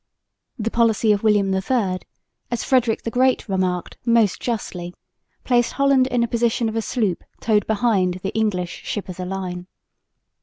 The policy of William III, as Frederick the Great remarked most justly, placed Holland in the position of a sloop towed behind the English ship of the line.